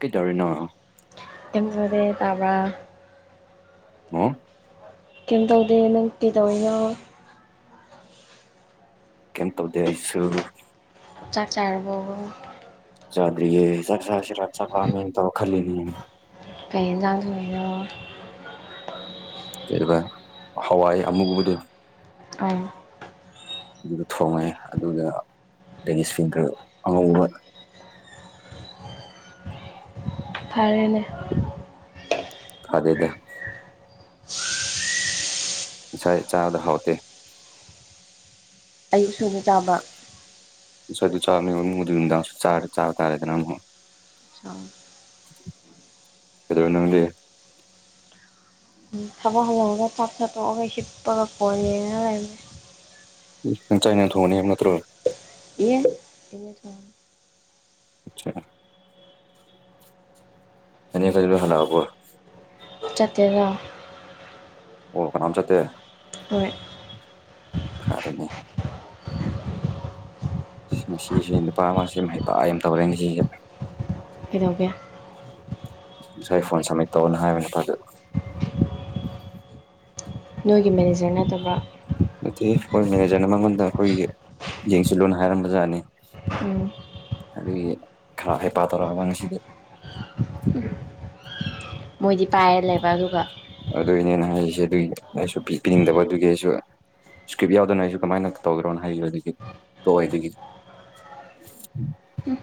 ꯀꯩꯇ ꯑꯣꯏꯔꯤꯅ ꯃꯣꯔꯦ ꯇꯥꯕ ꯑ ꯀꯩꯝ ꯇꯧꯗꯦ ꯅꯪ ꯀꯤ ꯇꯧꯔꯤ ꯀ ꯇꯕ ꯗꯦ ꯍꯥꯏꯁꯨ ꯆꯥꯛꯆꯥꯥꯔꯕꯣꯕꯣ ꯆꯕꯔꯤꯌꯦꯁꯤ ꯈꯜꯂꯤ ꯐ ꯆꯥꯗ ꯍꯥꯏꯣꯏꯅ ꯀꯩꯕꯥ ꯍꯋꯥꯏ ꯑꯃꯨꯛꯕꯗꯨ ꯑꯣ ꯑꯗꯨꯗ ꯊꯣꯡꯉꯦ ꯑꯗꯨꯗꯨ ꯂꯦꯒꯤꯁ ꯐꯤꯡꯇꯔ ꯑꯉꯧꯕ [unintelligible] ꯐꯔꯦꯅꯦ ꯑꯗꯗ ꯉ ꯆꯥꯗ ꯍꯥꯎꯇꯦ ꯑꯌꯨꯛ ꯁꯨꯕ ꯇꯥꯕ ꯁꯁꯋꯥ ꯑꯗꯨ ꯆꯥꯔꯅꯤ ꯃꯗꯨ ꯅꯨꯡꯗꯥꯡ ꯆ ꯆꯥ ꯇꯥꯔꯦꯗꯅ ꯑꯃꯨꯛ ꯑ ꯑꯦꯗꯅꯗꯤ ꯊꯕ ꯁ ꯊꯞ ꯊꯁꯤꯞꯄꯒꯄꯅꯤ ꯅ ꯆꯥꯏꯅ ꯊꯣꯡꯅꯤ ꯌꯥꯝ ꯅꯠꯇ꯭ꯔꯣ ꯏ ꯏ ꯊ ꯑꯆꯥ ꯑꯦꯅꯤ ꯀꯖ ꯍꯅ ꯍꯄꯨꯔ ꯆꯇꯔ ꯑꯣ ꯀꯅꯥꯝ ꯆꯦ ꯍꯣꯏꯣꯏ ꯐꯔꯅꯦ ꯁꯤꯒꯤꯁꯤꯦ ꯅꯨꯄꯥ ꯑꯃꯁꯤ ꯍꯥꯏ ꯌꯥꯝ ꯇꯧꯔꯦ ꯉ ꯁꯤꯁꯦ ꯀꯗꯊꯧꯒꯦ ꯉꯁꯥꯏ ꯐꯣꯟ ꯁꯝꯃꯤꯠ ꯇꯧꯅ ꯍꯥꯏꯕ ꯅꯨꯄꯥꯗ ꯅꯣꯏꯒꯤ ꯃꯦꯅꯦꯖꯔ ꯅꯠꯇꯕ꯭ꯔꯥ ꯅꯠꯇꯦ ꯑꯩꯈꯣꯏ ꯃꯦꯅꯦꯖꯔꯅ ꯃꯉꯣꯟꯗ ꯑꯩꯈꯣꯏ ꯌꯦꯡꯁꯤꯜꯂꯨꯅ ꯍꯥꯏꯔꯝꯕ ꯖꯥꯠꯅꯤ ꯎꯝ ꯑꯗꯨ ꯈꯔ ꯍꯦ ꯄ ꯇꯔꯕ ꯉꯁꯤꯗ ꯃꯣꯏꯗꯤ ꯄꯥꯏ ꯂꯩꯦ ꯑꯗꯨꯏꯅꯦꯅ ꯍꯥꯏꯔꯤꯁꯦ ꯑꯗꯨꯒꯤ ꯑꯩꯁꯨ ꯄꯤ ꯄꯤꯅꯤꯡꯗꯕ ꯑꯗꯨꯒꯤ ꯑꯩꯁꯨ ꯏꯁꯀ꯭ꯔꯤꯞ ꯌꯥꯎꯗꯅ ꯑꯩꯁꯨ ꯀꯃꯥꯏꯅ ꯇꯧꯗ꯭ꯔꯣꯅ ꯍꯥꯏꯈꯤꯕꯗꯒꯤ ꯇꯣꯛꯑꯣꯦꯗꯒꯤꯗꯤ ꯎꯝ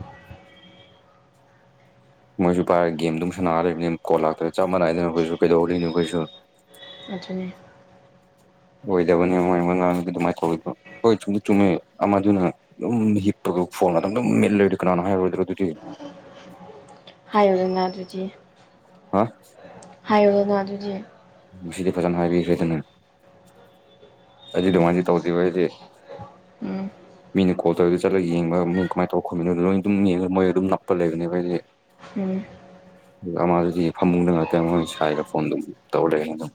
ꯃꯣꯏꯁꯨ ꯄꯥꯏꯔꯦ ꯒꯦꯝꯗꯨꯝ ꯁꯥꯟꯅꯔꯤꯕꯅꯤ ꯀꯣꯜ ꯂꯥꯛꯇ ꯆꯞ ꯃꯥꯟꯅꯏꯗꯅ ꯑꯩꯈꯣꯏꯁꯨ ꯀꯩꯗꯧꯔꯤꯅꯣ ꯑꯩꯈꯣꯏꯁꯨ ꯑꯗꯨꯅꯦ ꯑꯣꯏꯗꯕꯅꯤ ꯃꯣꯏ ꯃꯉꯥꯡ ꯑꯗꯨꯃꯥꯏꯅ ꯀꯧꯗꯣ ꯍꯣꯏ ꯆꯨꯝ ꯆꯨꯝꯃꯦ ꯑꯃꯗꯨꯅ ꯑꯗꯨꯝ ꯍꯤꯞꯄ ꯐꯣꯟ ꯃꯇꯝꯗꯨꯝ ꯃꯦꯠꯂꯣꯏꯗꯤ ꯀꯅꯥꯅꯣ ꯍꯥꯏꯔꯣꯏꯗ꯭ꯔꯣ ꯑꯗꯨꯗꯤ [unintelligible] ꯍꯥꯏꯌꯣ ꯅꯅꯥ ꯑꯗꯨꯖꯤ ꯍꯥ ꯍꯥꯏꯌꯣꯅꯥ ꯑꯗꯨꯖꯤ ꯃꯁꯤꯗ ꯐꯖꯅ ꯍꯥꯏꯗꯅ ꯍꯖꯤ ꯔꯃꯖꯤ ꯇꯧꯗꯤ ꯋꯥꯁꯦ ꯎꯝ ꯃꯤꯅ ꯀꯣꯜ ꯇꯧꯔꯦꯗ ꯆꯠꯂ ꯌꯦꯡꯕ ꯃꯤ ꯀꯃꯥꯏꯅ ꯇꯧꯔ ꯈꯣꯠꯃꯤꯅꯣ ꯂꯣꯏ ꯑꯗꯨꯝ ꯌꯦꯡꯉ ꯃꯣꯏ ꯑꯗꯨꯝ ꯅꯞꯄ ꯂꯩꯕꯅꯦ ꯑꯩꯈꯣꯏꯁꯗꯤ ꯎꯝ ꯑꯃꯗꯨꯗꯤ ꯐꯃꯨꯡꯗ ꯉꯥꯛꯇ ꯃꯣꯏ ꯁꯥꯏꯒ ꯐꯣꯟ ꯑꯗꯨꯝ ꯇꯧꯔ ꯂꯩ ꯑꯗꯨꯝ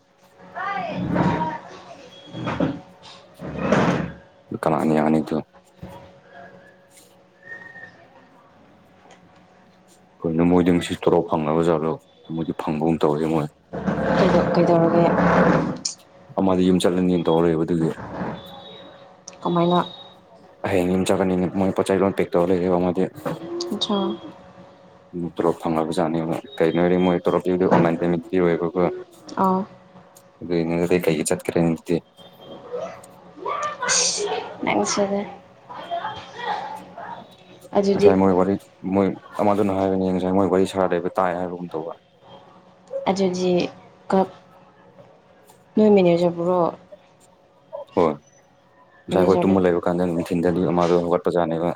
ꯑꯔ ꯀꯅꯤ ꯌꯥꯅꯤꯗꯨ ꯑꯩꯈꯣꯏꯅ ꯃꯣꯏꯗꯤ ꯉꯁꯤ ꯇꯣꯔꯥꯎ ꯐꯪꯅꯕ ꯖꯥꯠꯗꯣ ꯃꯣꯏꯗꯤ ꯐꯪꯕꯒꯨꯝ ꯇꯧꯔꯦ ꯃꯣꯏ ꯑꯣ ꯀꯩꯗꯧꯔꯒꯦ ꯑꯃꯗꯤꯗꯤ ꯌꯨꯝ ꯆꯠꯂꯅꯤꯅ ꯇꯧꯍꯣꯏꯦꯕ ꯑꯗꯨꯒꯤ ꯑꯗꯨꯃꯥꯏꯅ ꯍ ꯅꯤꯡꯅꯤꯝ ꯆꯒꯅꯤ ꯃꯣꯏ ꯄꯥꯏ ꯂ ꯄꯦꯛꯛꯇꯧ ꯃ ꯆ ꯇꯂꯣꯞ ꯐꯪꯕꯖꯠꯅꯤ ꯀꯩꯒꯤꯅꯣ ꯍꯥꯏꯔ ꯃꯣꯏ ꯇꯣꯂꯣꯞꯇꯗꯤ ꯑꯣꯟꯂꯥꯏꯟ ꯄꯦꯃꯦꯟꯇꯤ ꯑꯣꯏꯕ ꯑꯥ ꯑꯗꯨꯗꯤ ꯀꯩ ꯆꯠꯀꯔꯦ ꯅꯤꯡꯠꯇ ꯅꯁꯦ ꯑꯗꯨꯗꯤ ꯑ ꯃꯣꯏ ꯋꯥꯔꯤ ꯃꯣꯏ ꯑꯃꯗꯨꯅ ꯍꯥꯏꯔꯅꯤ ꯌꯦꯡ ꯉꯁꯥꯏ ꯃꯣꯏ ꯋꯥꯔꯤ ꯁꯥꯔ ꯂꯩꯕ ꯇꯥꯏ ꯍꯥꯏꯕꯒꯨꯝ ꯇꯧꯕ ꯑꯗꯨꯗꯤ ꯀꯞ ꯅꯣꯏ ꯃꯦꯅꯦꯖꯕꯨꯣ ꯍꯣꯏ ꯉꯁꯥꯏ ꯍꯈꯣꯏ ꯇꯨꯝꯃ ꯂꯩꯕ ꯀꯥꯟꯗ ꯅꯨꯡꯊꯤꯟꯗ ꯑꯗꯨ ꯑꯃꯥꯗꯣ ꯍꯧꯒꯠꯄꯖꯥꯠꯅꯦꯕ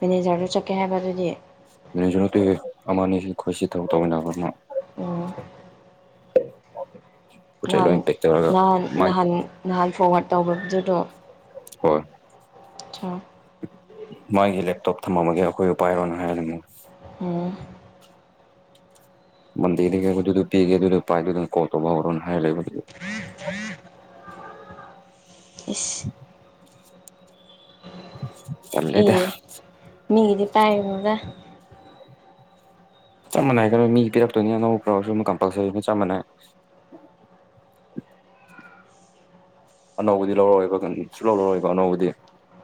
ꯃꯦꯅꯦꯖꯔꯗꯨ ꯆꯠꯀꯦ ꯍꯥꯏꯕꯗꯨꯗꯤ ꯃꯤꯁꯨꯅꯠꯇ ꯑꯃꯅꯤꯅꯤ ꯈꯣꯏꯁꯤ ꯇꯧ ꯇꯧꯕꯃꯤꯟꯅꯕ ꯑꯃ ꯍ ꯄꯣꯠ ꯆꯩ ꯅꯍꯥꯟ ꯂꯣꯏ ꯄꯦꯛ ꯇꯧꯔꯒ ꯅꯍꯥꯟ ꯃꯥꯏ ꯅꯍꯥꯟ ꯅꯍꯥꯟ ꯐꯣꯔꯋꯥꯔꯗ ꯇꯧꯕꯗꯨꯗꯣ ꯍꯣꯏ ꯑ ꯃꯥꯒꯤ ꯂꯦꯞꯇꯣꯞ ꯊꯝꯂꯝꯃꯒꯦ ꯑꯩꯈꯣꯏ ꯎ ꯄꯥꯏꯔꯣꯅ ꯍꯥꯏꯔꯤꯉ ꯎꯝ ꯃꯟꯗꯤꯔꯗꯒꯤ ꯀꯕꯗꯨꯗ ꯄꯤꯒꯦ ꯑꯗꯨꯗ ꯄꯥꯏꯗꯗꯅ ꯀꯣꯠꯇꯕ ꯍꯧꯔꯣꯅ ꯍꯥꯏ ꯂꯩꯦꯕꯗꯨ ꯍ [unintelligible] ꯆꯂꯦꯗ ꯃꯤꯗꯤ ꯄꯥꯏꯅꯗ ꯆꯞ ꯃꯥꯟꯅꯩ ꯀꯩꯅꯣ ꯃꯤ ꯄꯤꯔꯛꯇꯣꯏꯅꯤ ꯑꯅꯧꯕ ꯈ꯭ꯔꯁꯨ ꯀꯝꯄꯜꯁꯔꯤꯅꯤ ꯆꯞ ꯃꯥꯟꯅꯩ ꯑꯅꯧꯕꯗꯤ ꯂꯧꯔꯣꯏꯕ ꯁ ꯂꯧꯔꯣꯏꯕ ꯑꯅꯧꯕꯗꯤ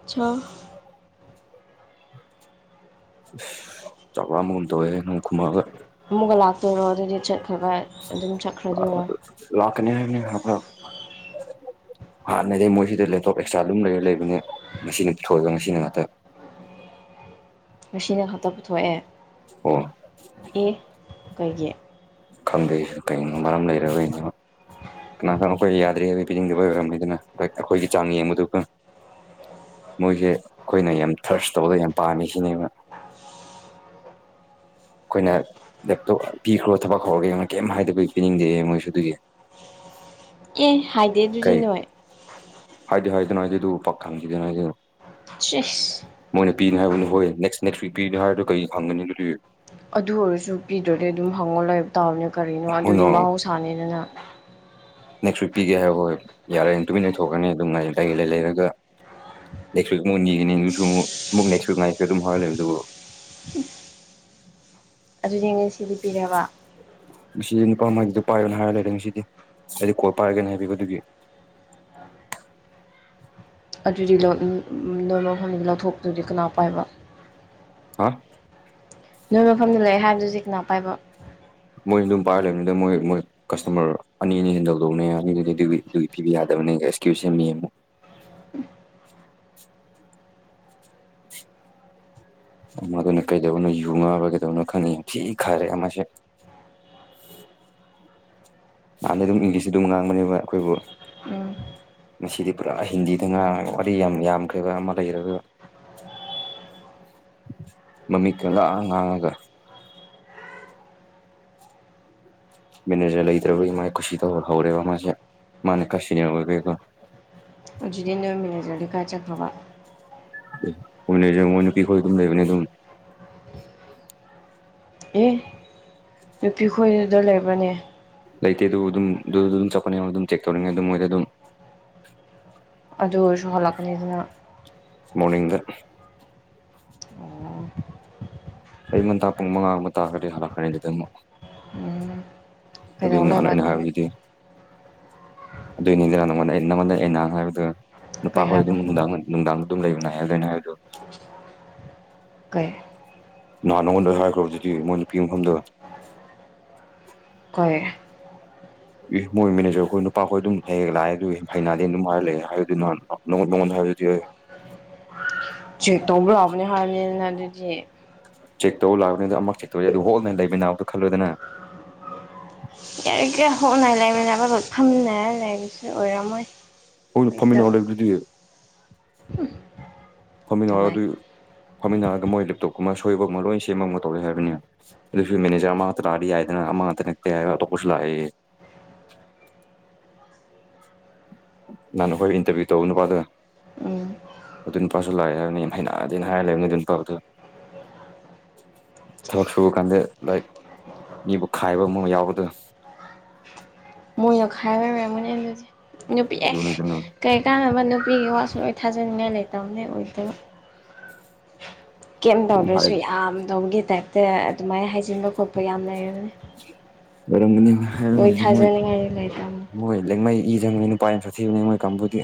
ꯆ ꯆ ꯃꯗꯋꯦꯅ ꯈꯨꯃꯒ ꯑꯃꯨꯛꯒ ꯂꯥꯛꯇꯣꯏꯔꯣ ꯑꯗꯨꯗꯤ ꯆꯠꯈ꯭ꯔꯒ ꯑꯗꯨꯝ ꯆꯠꯈ꯭ꯔꯗꯣꯏꯔꯣ ꯑ ꯍꯥꯟꯅꯗꯤꯩ ꯃꯣꯏꯁꯤꯗ ꯂꯦꯞꯇꯣꯞ ꯑꯦꯛꯁꯇ꯭ꯔꯥ ꯑꯗꯨꯝ ꯂꯩꯔ ꯂꯩꯕꯅꯦ ꯉꯁꯤꯅ ꯊꯣꯛꯣꯏꯑꯒ ꯉꯁꯤꯅ ꯉꯥꯛꯇ [unintelligible] ꯉꯁꯤꯅ ꯈꯛꯇ ꯄꯨꯊꯣꯛꯑꯦ ꯑꯣ ꯑꯦ ꯀꯩꯒꯤ ꯈꯪꯗꯦ ꯀꯩꯅꯣ ꯃꯔꯝ ꯂꯩꯔꯒꯩꯅꯣ ꯀꯅꯥ ꯀꯅꯥꯣ ꯑꯩꯈꯣꯏ ꯌꯥꯗ꯭ꯔꯦ ꯍꯥꯏꯕ ꯄꯤꯅꯤꯡꯗꯕꯩ ꯑꯣꯏꯔꯝꯅꯤꯗꯅ ꯑꯩꯈꯣꯏꯒꯤ ꯆꯥꯡ ꯌꯦꯡꯕꯗꯨꯒ ꯃꯣꯏꯁꯦ ꯑꯩꯈꯣꯏꯅ ꯌꯥꯝ ꯊꯔꯁ ꯇꯧꯕꯗ ꯌꯥꯝ ꯄꯥꯝꯃꯤ ꯁꯤꯅꯦꯕ ꯑꯩꯈꯣꯏꯅ ꯄꯤꯈ꯭ꯔꯣ ꯊꯕꯛ ꯍꯧꯔꯒꯦ ꯀꯩꯝ ꯍꯥꯏꯗꯕꯤ ꯄꯤꯅꯤꯡꯗꯦ ꯃꯣꯏꯁꯨ ꯑꯗꯨꯒꯤ ꯑꯦ ꯍꯥꯏꯗꯦ ꯑꯗꯨꯗꯤ ꯀꯩ ꯅꯣꯏ ꯍꯥꯏꯗꯤ ꯍꯥꯏꯗꯅ ꯍꯥꯏꯒꯦ ꯑꯗꯨ ꯄꯛꯈꯪꯈꯤꯗꯦꯅ ꯍꯥꯏꯖꯦ ꯁꯤꯁ ꯃꯣꯏꯅ ꯄꯤꯅꯤ ꯍꯥꯏꯕꯅꯤ ꯍꯣꯏ ꯅꯦꯛꯁ ꯅꯦꯛꯠꯤ ꯄꯤꯔꯤ ꯍꯥꯏꯔꯗꯨ ꯀꯩ ꯐꯪꯒꯅꯤ ꯑꯗꯨꯗꯤ ꯑꯗꯨ ꯑꯣꯏꯔꯁꯨ ꯄꯤꯗ꯭ꯔꯗꯤ ꯑꯗꯨꯝ ꯍꯪꯉꯣ ꯂꯏꯕ ꯇꯥꯕꯅꯦ ꯀꯔꯤꯅꯣ ꯑꯗꯨꯗꯤ ꯍꯣꯏꯅꯣ ꯃꯍꯧꯁꯥꯅꯤꯗꯅ ꯅꯦꯛꯁ ꯋꯤꯛ ꯄꯤꯒꯦ ꯍꯥꯏ ꯍꯣꯏ ꯌꯥꯔꯦ ꯇꯨꯃꯤꯟꯅ ꯂꯩꯊꯣꯛꯀꯅꯤ ꯑꯗꯨꯝ ꯉꯥꯏ ꯂꯩ ꯂꯩ ꯂꯩꯔꯒ ꯅꯦꯛꯁꯋꯤꯛ ꯃꯉꯣꯟ ꯌꯦꯅꯤꯉꯅꯤ ꯑꯗꯨꯁꯨ ꯑꯃꯨꯛ ꯑꯃꯨꯛ ꯅꯦꯛꯁꯋꯤꯛ ꯉꯥꯏꯁꯨ ꯑꯗꯨꯝ ꯍꯧꯍꯜꯂꯦꯕ ꯑꯗꯨꯕꯨ ꯑꯗꯨꯗ ꯉꯥꯁꯤꯗꯤꯄꯤꯔꯕ ꯉꯁꯤ ꯅꯨꯄꯥ ꯃꯥꯒꯤꯗꯣ ꯄꯥꯏꯔꯅ ꯍꯥꯏꯔꯒ ꯂꯩꯔꯦ ꯉꯁꯤꯗꯤ ꯍꯥꯏꯗꯤ ꯀꯣꯏ ꯄꯥꯏꯔꯒꯦꯅꯦ ꯍꯥꯏꯕꯤꯌꯣ ꯑꯗꯨꯒꯤ ꯑ [unintelligible] ꯑꯗꯨꯗꯤ ꯅꯣꯏ ꯅꯣ ꯂꯣꯏꯐꯝ ꯂꯧꯊꯣꯛꯄꯗꯨꯗꯤ ꯀꯅꯥ ꯄꯥꯏꯕ ꯍꯥ ꯅꯣꯏ ꯃꯐꯝꯗ ꯂꯩꯑꯦ ꯍꯥꯏꯕꯗꯨꯖꯤ ꯀꯅꯥ ꯄꯥꯏꯕ ꯃꯣꯏꯅ ꯑꯗꯨꯝ ꯄꯥꯏꯔ ꯂꯩꯕꯅꯤꯗ ꯃꯣꯏ ꯃꯣꯏ ꯀꯁꯇꯃꯔ ꯑꯅꯤ ꯑꯅꯤ ꯍꯦꯟꯗꯧꯗꯧꯅꯦ ꯑꯅꯤꯗꯨꯗꯤ ꯑꯗꯨꯒꯤ ꯑꯗꯨꯒꯤ ꯄꯤꯕ ꯌꯥꯗꯕꯅꯦ ꯁꯀꯤꯌꯨꯁ ꯃꯤ [unintelligible] [inaudible] ꯑꯃꯗꯨꯅ ꯀꯩꯗꯧꯅꯣ ꯌꯨꯉꯥꯎꯕ ꯀꯩꯗꯧꯅꯣ ꯈꯪꯉꯤ ꯌꯥꯝ ꯊꯤ ꯈꯔꯦ ꯑꯃꯁꯁꯦ ꯎ [unintelligible] [inaudible] ꯃꯥꯍꯥꯟꯗ ꯑꯗꯨꯝ ꯏꯪꯂꯤꯁꯇ ꯑꯗꯨꯝ ꯉꯥꯡꯕꯅꯦꯕ ꯑꯩꯈꯣꯏꯕꯨ ꯎꯝ ꯃꯁꯤꯗꯤ ꯄꯨꯔꯥ ꯍꯤꯟꯗꯤꯗ ꯉ ꯋꯥꯔꯤ ꯌꯥꯝ ꯌꯥꯝꯈ꯭ꯔꯕ ꯑꯃ ꯂꯩꯔꯒ ꯃꯥꯃꯤꯠꯇꯨꯅꯥꯑꯥ ꯉꯥꯡꯉꯒ ꯃꯤꯅꯦꯖꯔ ꯂꯩꯇ꯭ꯔꯕꯒꯤ ꯃꯥꯥꯏ ꯀꯁꯤꯗ ꯍꯧꯔꯦꯕ ꯃꯥꯁꯦ ꯃꯥꯅꯦ ꯀꯥꯁꯤꯅ ꯑꯣꯏ ꯀꯦꯒꯣ ꯑꯗꯨꯗꯤ ꯅꯣꯏꯃꯤꯟꯅꯖ꯭ꯔ ꯀꯥ ꯆꯈꯕ ꯍꯅꯦ ꯅꯨꯄꯤꯈꯣꯏ ꯑꯗꯨꯝ ꯂꯩꯕꯅꯦ ꯑꯗꯨꯝ ꯑꯦ ꯅꯨꯄꯤ ꯈꯣꯏꯗꯨꯗ ꯂꯩꯕꯅꯦ ꯂꯩꯇꯦ ꯑꯗꯨ ꯑꯗꯨꯝ ꯑꯗꯨꯗ ꯑꯗꯨꯝ ꯆꯠꯄꯠꯅꯤ ꯑꯗꯨꯝ ꯆꯦꯛ ꯇꯧꯔꯤꯉꯦ ꯃꯣꯏꯗ ꯑꯗꯨꯝ ꯑꯗꯨ ꯑꯣꯏꯁꯨ ꯍꯜꯂꯛꯀꯅꯤꯁꯤꯅ [unintelligible] [inaudible] ꯑꯣ ꯑꯩ ꯍꯟꯇꯥ ꯄꯨꯡ ꯃꯉꯥ ꯑꯃ ꯇꯥꯔꯒꯗꯤ ꯍꯂꯛꯀꯅꯤ ꯑꯗꯨ ꯑꯗꯨ ꯎꯝ ꯑꯗꯨ ꯀꯩꯗꯧ ꯂꯩꯕ ꯅꯍꯥꯟꯑꯩꯅ ꯍꯥꯏꯔꯣ ꯑꯗꯨꯗꯤ ꯑꯗꯨꯏꯅꯤꯗ ꯅꯪꯉꯣꯟꯗ ꯅꯪꯉꯣꯟꯗ ꯅꯍꯥꯟ ꯍꯥꯏꯕꯗꯨ ꯀꯩ ꯅꯨꯄꯥ ꯍꯣꯏ ꯍꯥꯏꯕ ꯑꯗꯨꯝ ꯅꯨꯡꯗꯥꯡ ꯅꯨꯡꯗꯥꯡ ꯑꯗꯨꯝ ꯂꯩꯕꯅꯦꯗꯣꯏꯅꯦ ꯍꯥꯏꯗꯣ ꯎ [inaudible] ꯅꯍꯥꯟ ꯅꯉꯣꯟꯗ ꯍꯥꯏꯈ꯭ꯔꯕꯗꯨꯗꯤ ꯃꯣꯏ ꯅꯨꯄꯤ ꯃꯐꯝꯗ ꯀꯣꯏ ꯃꯣꯏ ꯃꯦꯅꯦꯖꯔ ꯍꯣꯏ ꯅꯨꯄꯥꯈꯣꯏ ꯑꯗꯨꯝ ꯍ ꯂꯥꯛꯑꯦ ꯑꯗꯨ ꯍꯩꯅꯗꯦ ꯑꯗꯨꯝ ꯍꯥꯏꯔ ꯂꯩꯑꯦ ꯍꯥꯏ ꯑꯗꯨꯅ ꯅ ꯗꯤꯦ [unintelligible] ꯆꯦꯛ ꯇꯧꯕ ꯌꯥꯕꯅꯦ ꯍꯥꯏꯕꯅꯤꯅ ꯑꯗꯨꯗꯤ ꯆꯦꯛ ꯇꯧ ꯂꯥꯛꯄꯅꯤ ꯑꯗꯣ ꯑꯃꯛ ꯆꯦꯛ ꯇꯧꯋ ꯑꯗꯨ ꯍꯣꯜ ꯂꯩꯃꯤ ꯅꯥꯎꯗꯣ ꯈꯜꯂꯨꯗꯅ ꯌꯥꯔꯤ ꯀꯩ ꯍꯣꯡꯅꯉꯥꯏ ꯂꯩꯃꯤꯟꯅꯕ ꯂ ꯐꯝꯅꯦ ꯂꯩꯕꯁꯨ ꯑꯣꯏꯔꯝꯃꯣꯏ ꯍꯣꯏ ꯐꯝꯃꯤꯟꯅ ꯑꯣꯏꯗꯕ ꯂꯩꯕꯗꯨꯗꯤ ꯐꯅꯉ ꯀꯃꯥꯏ ꯑꯗꯨꯏ ꯐꯝꯃꯤꯟꯅꯔꯒ ꯃꯣꯏ ꯂꯦꯞꯇꯣꯞꯀꯨꯝꯕ ꯁꯣꯏꯕ ꯑꯃ ꯂꯣꯏ ꯁꯦꯝꯃ ꯑꯃꯒ ꯇꯧꯔꯦ ꯍꯥꯏꯕꯅꯤꯅ ꯑꯗꯨꯁꯨ ꯃꯦꯅꯦꯖꯔ ꯑꯃ ꯇꯔꯥꯗꯤ ꯌꯥꯏꯗꯅ ꯃꯥꯗ ꯅꯛꯇ ꯇꯣ ꯀꯨ ꯂꯥꯛꯑꯌꯦ [unintelligible] [inaudible] ꯅꯪꯅ ꯍꯣꯏ ꯏꯟꯇꯔꯚꯤꯌꯨ ꯇꯧꯅꯨꯄꯥ ꯑꯗꯨꯒ ꯎꯝ ꯑꯗꯨꯄꯥꯁꯨ ꯂꯥꯛꯑꯦ ꯍꯥꯏꯕꯅꯤ ꯌꯥꯝ ꯍꯩꯅꯑꯗꯦꯅ ꯍꯥꯏꯔ ꯂꯩꯕꯅꯤ ꯑꯗꯨꯄꯥꯗꯨ [unintelligible] [inaudible] ꯊꯕꯛ ꯁꯨꯕ ꯀꯥꯟꯗ ꯂꯥꯏꯛ ꯃꯤꯕꯨ ꯈꯥꯏꯕ ꯑꯃ ꯌꯥꯎꯕꯗꫭ꯫ ꯃꯣꯏꯅ ꯈꯥꯏꯕꯒꯤ ꯑꫭꯏꯔꯝꯒꯅꯦ ꯑꯗꯨꯗꯤ ꯅꯨꯄꯤ ꯑꯦ ꯑꯗꯨꯅꯤ ꯀꯩꯅꯣ ꯀꯔꯤ ꯀꯥꯟꯅꯕ ꯅꯨꯞ ꯄꯤꯒꯤ ꯋꯥꯁꯨ ꯂꯣꯏ ꯊꯥꯖꯅꯤꯡꯉꯥꯏ ꯂꯩꯇꯕꯅꯦ ꯑꯣꯏꯗꯕ꯫ ꯀꯦꯝ ꯇꯧꯗ꯭ꯔꯁꯨ ꯌꯥꯝ ꯇꯧꯕꯒꯤ ꯇꯥꯏꯞꯇ ꯑꯗꯨꯃꯥꯏꯅ ꯍꯥꯏꯖꯤꯟꯕ ꯈꯣꯠꯄ ꯌꯥꯝ ꯂꯩꯔꯝꯒꯅꯤ꯫ ꯑꯣꯏꯔꯝꯒꯅꯤ ꯍꯥꯏꯕ ꯉꯗꯦ ꯃꯣꯏ ꯂꯩꯇꯕꯅꯤ ꯃꯣꯏ ꯂꯦꯡꯃꯩ ꯏꯆꯪꯕ ꯅꯨꯄꯥ ꯌꯥꯝ ꯁꯥꯊꯤꯕꯅꯦ ꯃꫭꯏ ꯀꯥꯡꯕꯨꯗꯤ꯫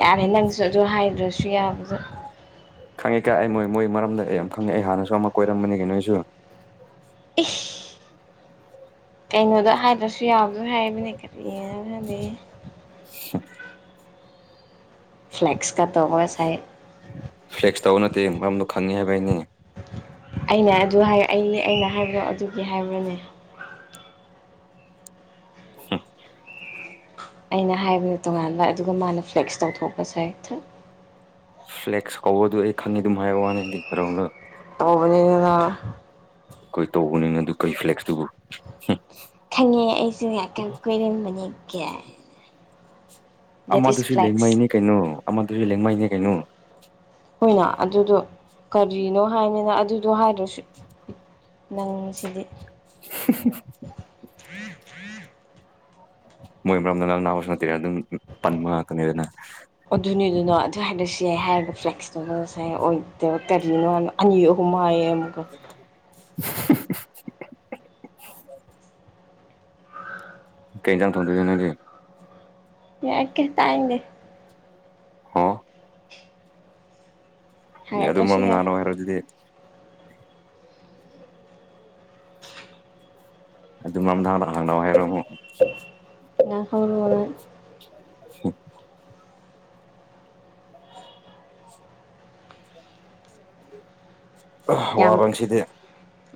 ꯌꯥꯔꯦ ꯅꯪꯁꯨ ꯑꯗꯨ ꯍꯥꯏꯗ꯭ꯔꯁꯨ ꯌꯥꯕꯗꯨ꯫ ꯈꯪꯉꯦ ꯀꯥ ꯑꯩ ꯃꯣꯏ ꯃꯣꯏ ꯃꯔꯝꯗ ꯑꯩ ꯌꯥꯝ ꯈꯪꯉꯦ ꯑꯩ ꯍꯥꯟꯅꯁꯨ ꯑꯃ ꯀꯣꯏꯔꯝꯕꯅꯤ ꯀꯩꯅꫭ ꯑꯩꯁꯨ꯫ ꯏꯁ ꯀꯩꯅꯣꯗ ꯍꯥꯏꯗ꯭ꯔꯁꯨ ꯌꯥꯕꯗꯨ ꯍꯥꯏꯕꯅꯦ ꯀꯔꯤꯗꯤ꯫ [unintelligible] ꯐ꯭ꯂꯦꯛꯁꯀ ꯇꯧꯕꯒ ꯁꯥꯏ꯫ ꯇꯦꯛꯁ ꯇꯧꯕ ꯅꯠꯇꯦ ꯃꯔꯝꯗꫭ ꯈꯪꯑꯦ ꯍꯥꯏꯕꯒꯤꯅꯤ꯫ ꯑꯩꯅ ꯑꯗꯨ ꯍꯥꯏ ꯑꯩ ꯑꯩꯅ ꯍꯥꯏꯕꯗꯣ ꯑꯗꯨꯒꯤ ꯍꯥꯏꯕ꯭ꯔꯅꯦ꯫ ꯑꯩꯅ ꯍꯥꯏꯕꯅ ꯇꯣꯉꯥꯟꯕ ꯑꯗꯨꯒ ꯃꯥꯅ ꯐ꯭ꯂꯦꯛꯁ ꯇꯧꯊꯣꯛꯄꯁꯥꯏ ꯊꯠ꯫ ꯐ꯭ꯂꯦꯛꯁ ꯀꯧꯕꯗꯨ ꯑꯩ ꯈꯪꯉꯤ ꯑꯗꯨꯝ ꯍꯥꯏꯕ ꯋꯥꯅꯤꯗꯤ ꯀꯔꯣꯡꯂꫭ꯫ ꯇꯧꯕꯅꯤꯅ ꯅꯥ꯫ ꯑꯩꯈꯣꯏ ꯇꯧꯕꯅꯤꯅ ꯑꯗꯨ ꯀꯩꯐ꯭ꯂꯦꯛꯁ ꯇꯨꯕꯨ꯫ ꯈꯪꯉꯦ ꯑꯩꯁꯨ ꯉꯥꯛꯀ ꯀꯣꯏꯔꯝꯕꯅꯦ ꯒꯥꯏꯅ꯫ ꯑꯃꯗꯨꯁꯨ ꯂꯦꯡꯃꯩꯅꯦ ꯀꯩꯅꯣ ꯑꯃꯗꯨꯁꯨ ꯂꯦꯡꯃꯩꯅꯦ ꯀꯩꯅꯣ꯫ ꯑꫭꯏꯅꯥ ꯑꯗꯨꯗꯣ ꯀꯔꯤꯅꯣ ꯍꯥꯏꯅꯤꯅ ꯑꯗꯨꯗꯣ ꯍꯥꯏꯗ꯭ꯔꯁꯨ ꯅꯪ ꯁꯤꯗꯤ꯫ [unintelligible] ꯃꯣꯏ ꯃꯔꯝꯗ ꯉꯥꯡꯅ ꯅꯍꯧꯕꯁꯨ ꯅꯠꯇꯦ ꯑꯗꯨꯝ ꯄꯟꯕ ꯉꯥꯛꯇꯅꯤꯗꯅ꯫ ꯑꯗꯨꯅꯤꯗꯨꯅ ꯑꯗꯨ ꯍꯥꯏꯔꯁꯨ ꯌꯥꯏ ꯍꯥꯏꯔꯒ ꯐ꯭ꯂꯦꯛꯁ ꯇꯧꯕꯒꯁꯥꯥꯏ ꯑꯣꯏꯗꯕ ꯀꯔꯤꯅꯣꯅ ꯑꯅꯤ ꯑꯍꯨꯝ ꯃꯥꯏ ꯑꯃꯨꯛꯀ [unintelligible] ꯀꯩ ꯍꯦꯖꯥꯡ ꯊꫭꯡꯗꫭꯏꯕ ꯅꯪꯗꯤ꯫ ꯌꯥꯀꯦ ꯇꯥꯅꯤꯡꯗꯦ꯫ ꯍꯥꯎ ꯑꯦ ꯑꯗꯨ ꯍꯥꯏꯔꯛꯇ꯭ꯔꯁꯨ ꯃꯔꯝ ꯌꯥꯏ ꯉꯥꯡꯔꫭ ꯍꯥꯏꯔꯣ ꯑꯗꯨꯗꯤ꯫ ꯑꯗꯨ ꯃꯔꯝꯗ ꯍꯥꯟꯅ ꯍꯥꯡꯅꯑꯣ ꯍꯥꯏꯔꯣ ꯃꯨꯛ꯫ [unintelligible] [unintelligible] ꯋꯥꯕ ꯌꯥꯝ ꯉꯁꯤꯗꯤ꯫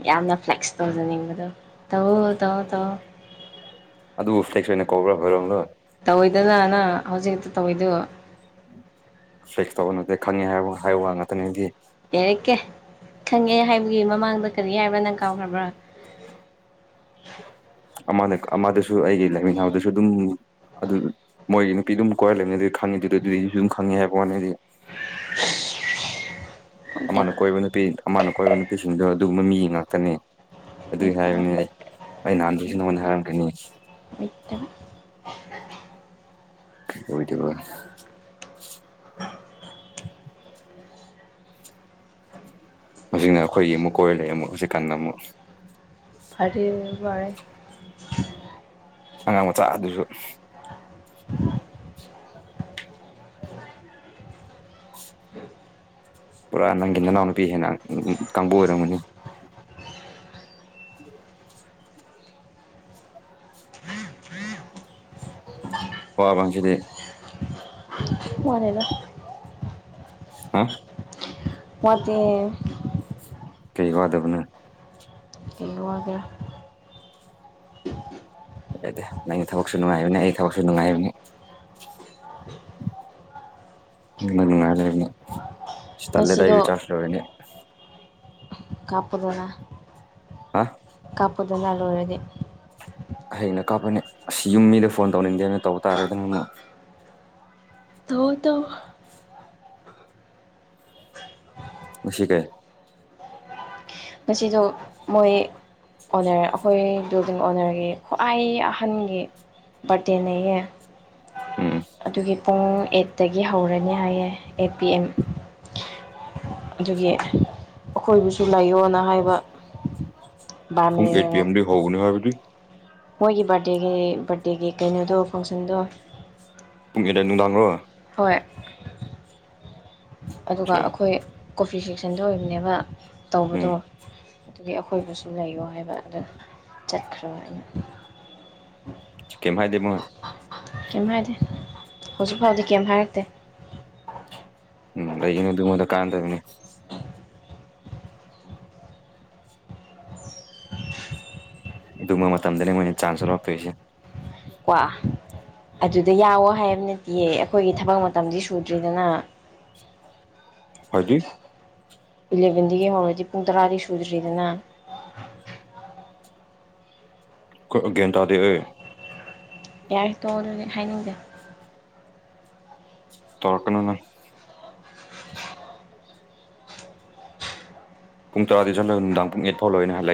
ꯌꯥꯝꯅ ꯐ꯭ꯂꯦꯛꯁ ꯇꯧꯖꯅꯤꯡꯕꯗꯣ ꯇꯧꯋꫭ ꯇꯧꯑꯣ-ꯇꯧꯑꯣ꯫ ꯑꯗꯨꯕꯨ ꯐ꯭ꯂꯦꯛꯁ ꯑꯣꯏꯅ ꯀꯧꯕ꯭ꯔꯥ ꯍꫭꯏꯔꯣꯡꯂꯣ꯫ ꯇꯧꯏꯗꯅꯥ ꯅꯪ ꯍꯧꯖꯤꯛꯇ ꯇꯧꯏꯗꯨ꯫ ꯐ꯭ꯂꯦꯛꯁ ꯇꯧꯕ ꯅꯠꯇꯦ ꯈꯪꯉꯤ ꯍꯥꯏ ꯍꯥꯏꯕ ꯋꯥ ꯉꯥꯛꯇꯅꯤꯗꯤ꯫ ꯌꯥꯔꯦꯀꯦ ꯈꯪꯉꯦ ꯍꯥꯏꯕꯒꯤ ꯃꯃꯥꯡꯗ ꯀꯔꯤ ꯍꯥꯏꯕ꯭ꯔꯥ ꯅꯪ ꯀꯥꯎꯈ꯭ꯔꯕ꯭ꯔꯥ꯫ ꯑꯃꯅ ꯑꯃꯗꯁꯨ ꯑꯩꯒ ꯂꯥꯏꯃꯤꯅꯥꯗꯁꯨ ꯑꯗꯨꯝ ꯑꯗꯨ ꯃꯣꯏꯒꯤ ꯅꯨꯄꯤꯗꯨꯝ ꯀꯣꯏꯔ ꯂꯩꯕꯅꯤ ꯑꯗꯨ ꯈꯪꯉꯤ ꯑꯗꯨꯗ ꯑꯗꯨꯗꯤꯁꯨ ꯑꯗꯨꯝ ꯈꯪꯉꯦ ꯍꯥꯏꯕ ꯋꯥꯅꯤꯗꯤ꯫ [unintelligible] ꯑꯃꯅ ꯋꯥꯠꯇꯦꯕ ꯀꯣꯏꯕ ꯅꯨꯄꯤ ꯑꯃꯅ ꯀꯣꯏꯕ ꯅꯨꯄꯤꯁꯤꯡꯗꯣ ꯑꯗꯨꯒꯨꯝꯕ ꯃꯤ ꯉꯥꯛꯇꯅꯦ꯫ ꯑꯗꯨꯒꯤ ꯂꯩꯇꯕ ꯍꯥꯏꯔꯒꯅꯤ ꯑꯩ ꯑꯩ ꯅꯍꯥꯟꯗꯁꯨ ꯅꯉꯣꯟꯗ ꯍꯥꯏꯔꯝꯈ꯭ꯔꯅꯤ꯫ [unintelligible] ꯑꯣꯏꯗꯕ꯫ ꯃꯁꯤꯅ ꯑꯩꯈꯣꯏꯒꯤ ꯑꯃꯨꯛ ꯀꯣꯏꯔ ꯂꯩꯌꯦ ꯑꯃꯨꯛ ꯍꯧꯖꯤꯛ ꯀꯥꯟꯗ ꯑꯃꯨꯛ꯫ ꯐꯥꯔꯦ ꯋꯥꯔꯦ꯫ ꯑꯉꯥꯡ ꯃꯆꯥ ꯑꯗꯨꯁꯨ꯫ ꯄꯨꯔꯥ ꯅꯪꯒꯤ ꯅꯅꯥꯎꯅꯨꯄꯤ ꯍꯦꯟꯅ ꯀꯥꯡꯕꯨ ꯑꯣꯏꯔꯝꯒꯅꯤ꯫ ꯋꯥ ꯄꯁꯤꯗꯤ ꯋꯥꯅꯦꯅ ꯍꯥ ꯄꯇ ꯀꯩ ꯋꯥꯗꯕꯅ ꯅꯒꯦ ꯌꯥꯗꯦ ꯅꯪꯒꯤ ꯊꯕꯛꯁꯨ ꯅꯨꯡꯉꯥꯏꯕꯅꯤ ꯑꯩꯒꯤ ꯊꯕꯛꯁꯨ ꯅꯨꯡꯉꯥꯏꯕꯅꯤ ꯎꯅꯨꯡꯉꯥꯏꯔ ꯇꯂꯦꯗꯏ ꯉꯁꯤꯗꯣ ꯆꯥꯅꯦ ꯀꯥꯄꯗꯣꯔꯥ ꯍꯥ ꯀꯥꯞꯄꯗꯅ ꯂꯣꯏꯔꯗꯤ ꯍꯌꯦꯩꯅ ꯀꯥꯞꯄꯅꯦ ꯑꯁ ꯌꯨꯝ ꯃꯤꯗ ꯐꯣꯟ ꯇꯧꯅꯤꯡꯗꯦꯅ ꯇꯧꯕ ꯇꯥꯔꯦꯗꯅ ꯑꯃꯨꯛ ꯍ ꯇꯣ ꯉꯁꯤ ꯀꯦ ꯉꯁꯤꯗꯣ ꯃꯣꯏ ꯑꯣꯅꯔ ꯑꯩꯈꯣꯏꯗꯨꯗ ꯑꯣꯅꯔꯒꯤ ꯈ꯭ꯋꯥꯏ ꯑꯍꯟꯒꯤ ꯕꯥꯔꯗꯦꯅꯦꯌꯦ ꯎꯝ ꯑꯗꯨꯒꯤ ꯄꯨꯡ ꯑꯦꯠꯇꯒꯤ ꯍꯧꯔꯅꯤ ꯍꯥꯏꯌꯦꯦ ꯑꯦꯠ ꯄꯤ ꯑꯦꯝ ꯑꯗꯨꯒꯤ ꯑꯩꯈꯣꯏꯕꯨꯁꯨ ꯂꯥꯏꯌꯣꯅ ꯍꯥꯏꯕ ꯕꯥꯔ ꯄꯨꯡ ꯑꯩꯠ ꯄꯤ ꯃꯦꯅꯦꯖꯔꯅ ꯑꯦꯝꯗꯒꯤ ꯍꯧꯕꯅꯤ ꯍꯥꯏꯕꯗꯤ ꯃꯣꯏꯒꯤ ꯕꯥꯔꯗꯦꯒꯤ ꯕꯥꯔꯗꯦꯒꯤ ꯀꯩꯅꯣꯗꯣ ꯐꯪꯁꯟꯗꯣ ꯄꯨꯡ ꯑꯗ ꯅꯨꯡꯗꯥꯡꯔꯣ ꯍꯣꯏ ꯑꯗꯨꯒ ꯑꯆꯥ ꯑꯩꯈꯣꯏ ꯀꯣꯐꯤ ꯁꯦꯛꯁꯟꯗ ꯑꯣꯏꯕꯅꯦꯕ ꯎꯝ ꯇꯧꯕꯗꯣ ꯑꯗꯨꯒꯤ ꯑꯀꯣꯏꯕꯁꯨ ꯂꯩꯌꯣ ꯍꯥꯏꯕ ꯑꯗꯨ ꯆꯠꯈ꯭ꯔꯣ ꯑꯩꯅ ꯀꯃ ꯍꯥꯏꯥꯏꯗꯃꯣꯣꯏ ꯀꯩꯝ ꯍꯥꯏꯗꯦ ꯍꯧꯖꯤꯛ ꯐꯥꯎꯗꯤ ꯀꯩꯝ ꯍꯥꯏꯔꯛꯇꯦ ꯎꯝ ꯑꯩꯅ ꯑꯗꯨꯃꯗ ꯀꯥꯟ ꯇꯧꯅꯤ ꯑꯗꯨꯝꯕ ꯃꯇꯝꯗꯅꯤ ꯃꯣꯏꯅ ꯆꯥꯟꯁꯁꯨ ꯂꯞꯄꯣꯏꯁꯦ ꯀ ꯑꯗꯨꯗ ꯌꯥꯋꯣ ꯍꯥꯏꯕ ꯅꯠꯇꯦꯌꯦ ꯑꯩꯈꯣꯏꯒꯤ ꯊꯕꯛ ꯃꯇꯝꯗꯤ ꯁꯨꯗ꯭ꯔꯤꯗꯅ ꯍꯖꯤ ꯏꯂꯚꯦꯟꯗꯒꯤ ꯍꯧꯔꯗꯤ ꯄꯨꯡ ꯇꯔꯥꯗꯤ ꯁꯨꯗ꯭ꯔꯤꯗꯅ ꯒꯦꯟꯗꯥꯗ ꯌꯥꯔ ꯇꯣꯡ ꯑꯗꯨꯗꯤ ꯍꯥꯏꯅꯤꯡꯁꯦ ꯇꯔꯀꯅꯅ ꯄꯨꯡ ꯇꯔꯥꯗꯤꯖꯂꯣꯏ ꯅꯨꯡꯗꯥꯡ ꯄꯨꯡ ꯑꯩꯠ ꯐꯥꯎ ꯂꯣꯏꯅ ꯍꯥꯏꯛꯨ